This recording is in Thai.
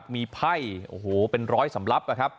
มีไโอ้โหเป็นร้อยสำรับ